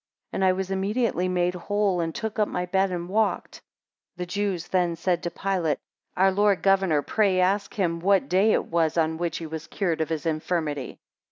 And I was immediately made whole, and took up my bed and walked. 17 The Jews then said to Pilate, Our Lord Governor, pray ask him what day it was on which he was cured of his infirmity.